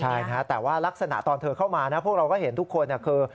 ใช่นะแต่ว่ารักษณะตอนเธอเข้ามานะพวกเราก็เห็นทุกคนคือ